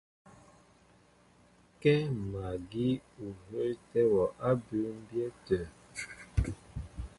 Kɛ́ magí ó hə́ə́tɛ́ wɔ á bʉmbyɛ́ tə̂.